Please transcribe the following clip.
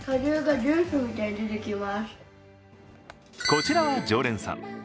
こちらは常連さん。